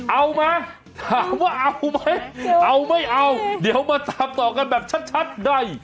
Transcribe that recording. เอาไหมถามว่าเอาไหมเอาไม่เอาเดี๋ยวมาตามต่อกันแบบชัดได้